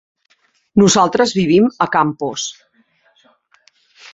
Nosaltres vivim a Campos.